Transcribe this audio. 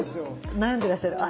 悩んでらっしゃるあっ